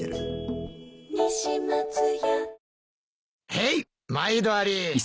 へい毎度あり！